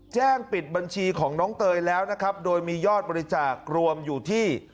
แจ้งปิดบัญชีของน้องเตยแล้วนะครับโดยมียอดบริจาครวมอยู่ที่